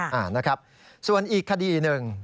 อ่านะครับส่วนอีกคดีหนึ่ง